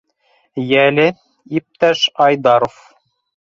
— Йәле, иптәш Айдаров!